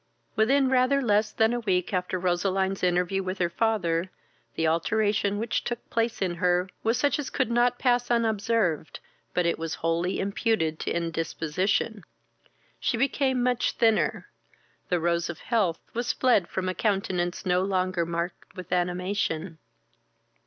Within rather less than a week after Roseline's interview with her father, the alteration which took place in her was such as could not pass unobserved, but it was wholly imputed to indisposition. She became much thinner; the rose of health was fled from a countenance no longer marked with animation.